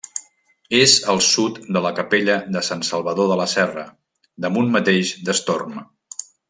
És al sud de la capella de Sant Salvador de la Serra, damunt mateix d'Estorm.